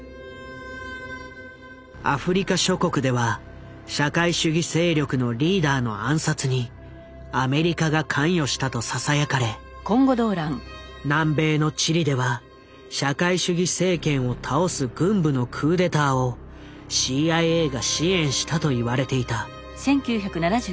アフリカ諸国では社会主義勢力のリーダーの暗殺にアメリカが関与したとささやかれ南米のチリでは社会主義政権を倒す軍部のクーデターをＣＩＡが支援したといわれていた。